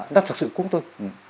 nó thực sự cúng tôi